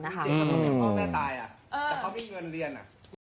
จริงแต่เขามีพ่อแม่ตายแต่เขามีเงินเรียน